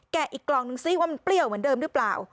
อีกกล่องนึงซิว่ามันเปรี้ยวเหมือนเดิมหรือเปล่า